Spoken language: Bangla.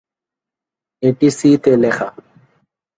এটা সি তে লেখা।